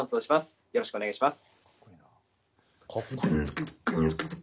よろしくお願いします。